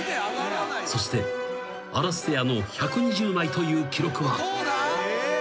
そしてアラステアの１２０枚という記録は］